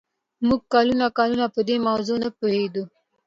موږ کلونه کلونه په دې موضوع نه پوهېدو